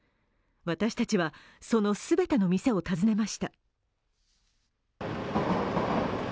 私たちはその全ての店を訪ねました。